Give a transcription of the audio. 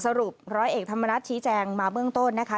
ร้อยเอกธรรมนัฐชี้แจงมาเบื้องต้นนะคะ